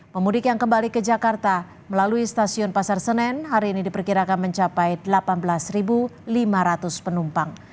pemudik yang kembali ke jakarta melalui stasiun pasar senen hari ini diperkirakan mencapai delapan belas lima ratus penumpang